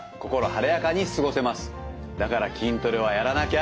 だから筋トレはやらなきゃ。